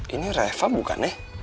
ini reva bukannya